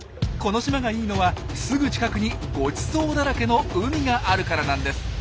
この島がいいのはすぐ近くにごちそうだらけの海があるからなんです。